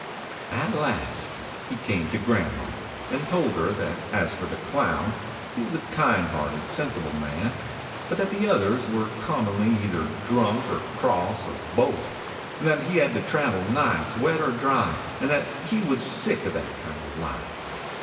At last he came to grandma, and told her that as for the Clown, he was a kind hearted, sensible man, but that the others were commonly either drunk, or cross, or both, and that he had to travel nights, wet or dry, and that he was sick of that kind of life.